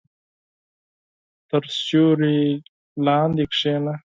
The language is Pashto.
• تر سیوري لاندې کښېنه.